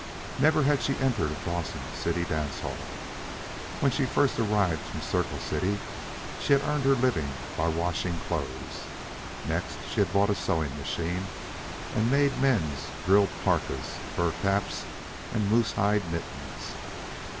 Never had she entered a Dawson City dance hall. When she first arrived from Circle City, she had earned her living by washing clothes. Next, she had bought a sewing machine and made men's drill parkas, fur caps, and moosehide mittens.